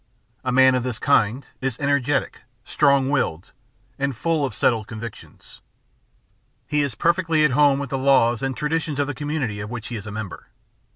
A man of this kind is energetic, strong willed, and full of settled convictions. He is perfectly at home with the laws and traditions of the community of which he is a member.